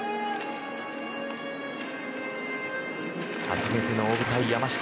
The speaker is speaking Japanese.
初めての大舞台、山下。